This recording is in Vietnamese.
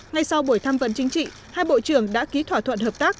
ngay sau buổi tham vấn chính trị hai bộ trưởng đã ký thỏa thuận hợp tác